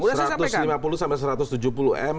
sudah saya sampaikan